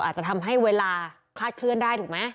อาจจะทำให้เวลาคลาดเคลื่อนได้ถูกไหม